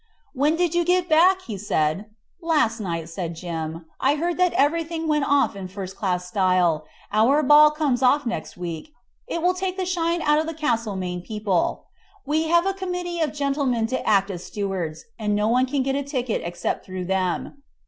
"When did you get back?" said he. "Last night," said Jim. "I heard that everything went off in first clas style. Our ball comes off next week; it will take the shine out of the Castlemaine people. We have a committee of gentlemen to act as stewards, and no one can get a ticket except through them.